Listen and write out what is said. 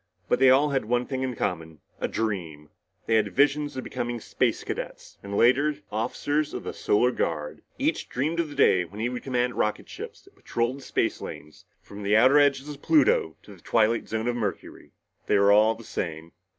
But they all had one thing in common a dream. All had visions of becoming Space Cadets, and later, officers in the Solar Guard. Each dreamed of the day when he would command rocket ships that patrolled the space lanes from the outer edges of Pluto to the twilight zone of Mercury. They were all the same.